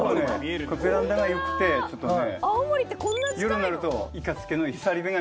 これベランダが良くてちょっとね。